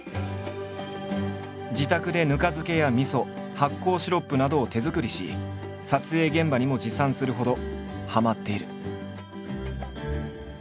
自宅でぬか漬けやみそ発酵シロップなどを手作りし撮影現場にも持参するほどはまっている。